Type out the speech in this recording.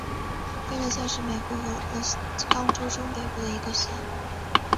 惠勒县是美国俄勒冈州中北部的一个县。